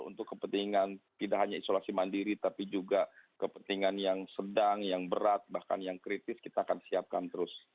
untuk kepentingan tidak hanya isolasi mandiri tapi juga kepentingan yang sedang yang berat bahkan yang kritis kita akan siapkan terus